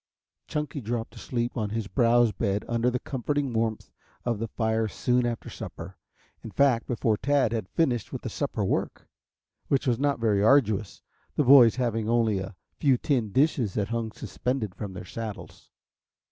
Chunky dropped asleep on his browse bed under the comforting warmth of the fire soon after supper, in fact before Tad had finished with the supper work, which was not very arduous, the boys having only a few tin dishes that hung suspended from their saddles.